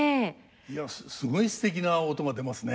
いやすごいすてきな音が出ますね。